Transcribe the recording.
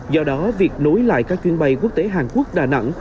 do đó việc nối lại các chuyến bay quốc tế hàn quốc đà nẵng